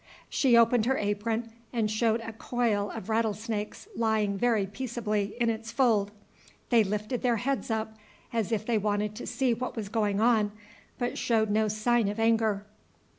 She opened her apron and showed a coil of rattlesnakes lying very peaceably in its fold. They lifted their heads up, as if they wanted to see what was going on, but showed no sign of anger.